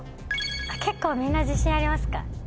結構みんな自信ありますか？